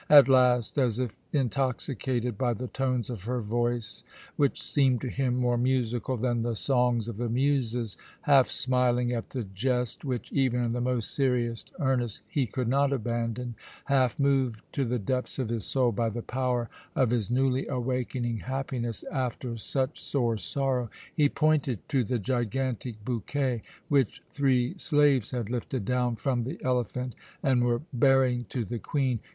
At last, as if intoxicated by the tones of her voice, which seemed to him more musical than the songs of the Muses; half smiling at the jest which, even in the most serious earnest, he could not abandon; half moved to the depths of his soul by the power of his newly awakening happiness after such sore sorrow, he pointed to the gigantic bouquet, which three slaves had lifted down from the elephant and were bearing to the Queen.